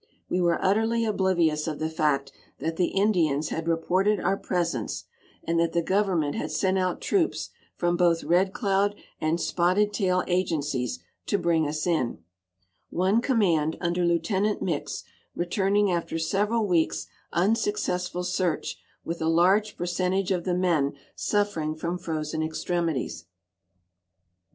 We were utterly oblivious of the fact that the Indians had reported our presence, and that the government had sent out troops from both Red Cloud and Spotted Tail agencies to bring us in; one command, under Lieutenant Mix, returning after several weeks' unsuccessful search with a large percentage of the men suffering from frozen extremities.